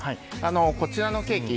こちらのケーキ